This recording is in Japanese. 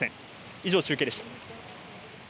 以上、中継でした。